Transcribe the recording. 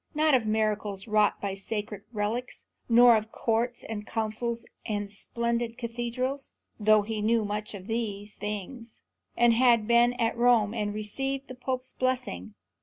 Not of miracles wrought by sacred relics; nor of courts and councils and splendid cathedrals; though he knew much of these things, and had been at Rome and received the Pope's blessing.